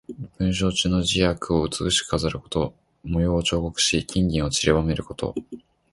文章中の字や句を美しく飾ること。模様を彫刻し、金銀をちりばめること。